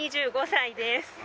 ２５歳です